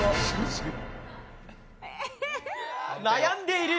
悩んでいる！